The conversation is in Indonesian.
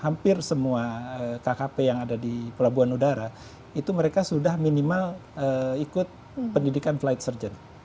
hampir semua kkp yang ada di pelabuhan udara itu mereka sudah minimal ikut pendidikan flight surger